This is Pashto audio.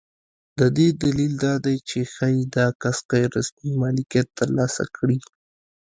د دې دلیل دا دی چې ښایي دا کس غیر رسمي مالکیت ترلاسه کړي.